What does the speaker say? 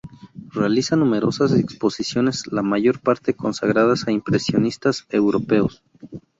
Realiza numerosas exposiciones, la mayor parte consagradas a impresionistas europeos.